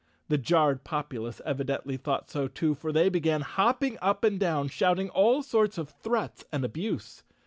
The jarred populace evidently thought so too, for they began hopping up and down, shouting all sorts of threats and abuse.